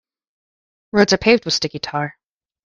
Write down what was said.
Roads are paved with sticky tar.